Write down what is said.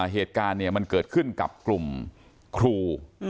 เหตุการณ์มันเกิดขึ้นกับกลุ่มครู